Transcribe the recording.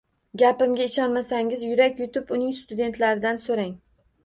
Gapimga ishonmasangiz, yurak yutib, uning studentlaridan so‘rang.